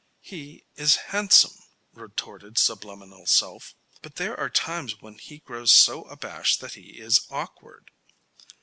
"He is handsome," retorted subliminal self. "But there are times when he grows so abashed that he is awkward."